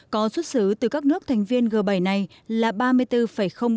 có xuất xứ từ các nước thành viên g bảy này là ba mươi bốn ba tỷ usd tăng một mươi hai ba